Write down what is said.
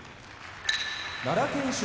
奈良県出